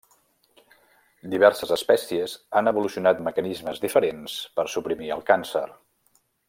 Diverses espècies han evolucionat mecanismes diferents per suprimir el càncer.